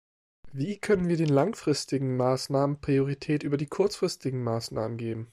Wie können wir den langfristigen Maßnahmen Priorität über die kurzfristigen Maßnahmen geben?